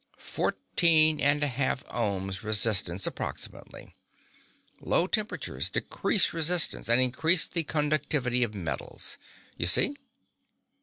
Fourteen and a half ohms resistance, approximately. Low temperatures decrease resistance and increase the conductivity of metals. You see?"